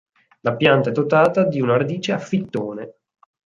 La pianta è dotata di una radice a fittone.